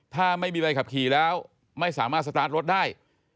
ถ้าไม่มีใบขับขี่แล้วไม่สามารถสตาร์ทรถได้